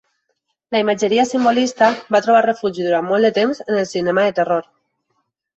La imatgeria simbolista va trobar refugi durant molt de temps en el cinema de terror.